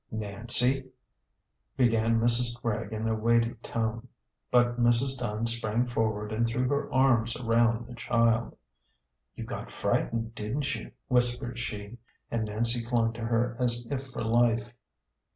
"Nancy " began Mrs. Gregg, in a weighty tone. But Mrs. Dunn sprang forward and threw her arms around the child. " You got frightened, didn't you ?" whispered she ; and Nancy clung to her as if for life.